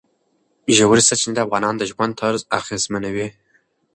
ژورې سرچینې د افغانانو د ژوند طرز اغېزمنوي.